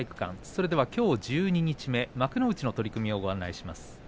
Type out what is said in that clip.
それでは、きょう十二日目幕内の取組をご案内します。